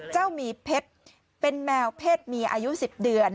เจ้ามีเพชรเป็นแมวเพชรมีอายุ๑๐เดือน